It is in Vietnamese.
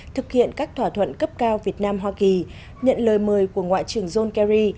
thực hiện các thỏa thuận cấp cao việt nam hoa kỳ nhận lời mời của ngoại trưởng john kerry